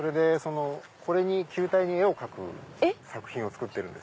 球体に絵を描く作品を作ってるんです。